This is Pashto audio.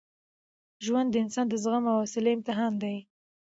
ژوند د انسان د زغم او حوصلې امتحان دی.